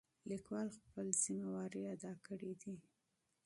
لیکوال خپل مسؤلیت ادا کړی دی.